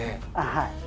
はい。